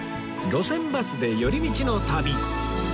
『路線バスで寄り道の旅』